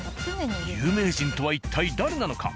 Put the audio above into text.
有名人とは一体誰なのか？